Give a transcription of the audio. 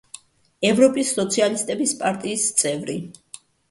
ევროპის სოციალისტების პარტიის წევრი.